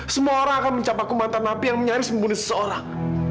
semua orang akan mencapai kumatan api yang menyaris membunuh seseorang